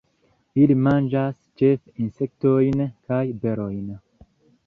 Ili manĝas ĉefe insektojn kaj berojn.